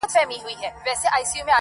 چي یې ځان وي قربان کړی هغه هېر وي -